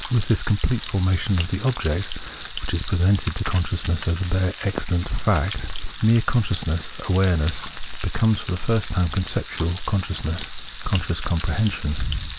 With this complete forma tion of the object, which is presented to consciousness as a bare existent fact {ein Seyendes), mere conscious awareness becomes for the first time conceptual con sciousness, conscious comprehension.